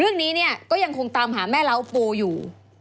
เรื่องนี้เนี่ยก็ยังคงตามหาแม่เล้าปูอยู่